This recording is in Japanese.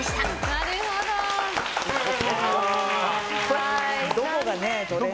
なるほど！